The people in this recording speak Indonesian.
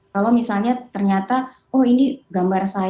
kalau misalnya ternyata oh ini gambar saya